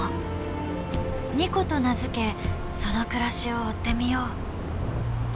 ニコと名付けその暮らしを追ってみよう。